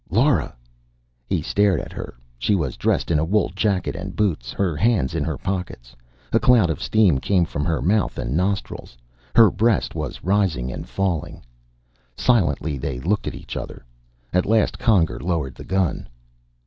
Lora! He stared at her. She was dressed in a wool jacket and boots, her hands in her pockets. A cloud of steam came from her mouth and nostrils. Her breast was rising and falling. Silently, they looked at each other. At last Conger lowered the gun.